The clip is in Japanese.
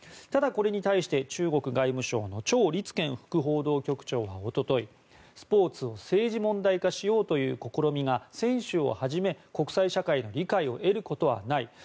ただこれに対して、中国外務省のチョウ・リツケン副報道局長は一昨日スポーツを政治問題化しようという試みが選手をはじめ、国際社会の理解を得ることはない。